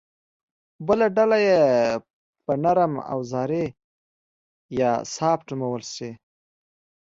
بله ډله یې به نرم اوزاري یا سافټ نومول شي